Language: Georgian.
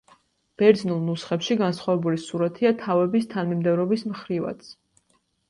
ბერძნულ ნუსხებში განსხვავებული სურათია თავების თანმიმდევრობის მხრივაც.